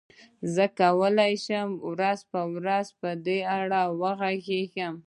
زه کولای شم په ورځو ورځو په دې اړه وغږېږم.